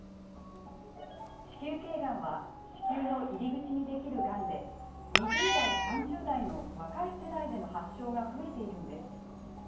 子宮けいがんは子宮の入り口にできるがんで２０代、３０代の若い世代での発症が増えているんです。